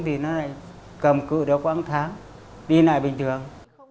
thì nó lại cầm cựu đó khoảng tháng đi lại bình thường